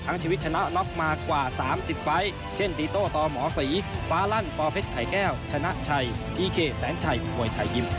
ชีวิตชนะน็อกมากว่า๓๐ไฟล์เช่นตีโต้ต่อหมอศรีฟ้าลั่นปอเพชรไข่แก้วชนะชัยพีเคแสนชัยมวยไทยยิม